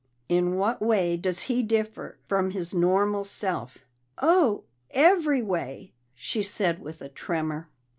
"In what way does he differ from his normal self?" "Oh, every way," she said with a tremor.